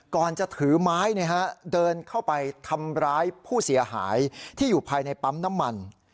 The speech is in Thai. ก่อนจะถือไม้เดินเข้าไปทำร้ายผู้เสียหายที่อยู่ภายในปั๊มน้ำมัน